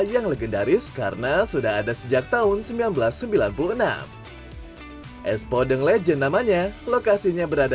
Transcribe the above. yang legendaris karena sudah ada sejak tahun seribu sembilan ratus sembilan puluh enam es podeng legend namanya lokasinya berada